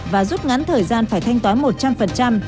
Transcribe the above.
và rút ngắn thời gian phải thanh toán một trăm linh